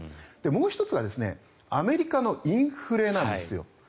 もう１つはアメリカのインフレなんですよ。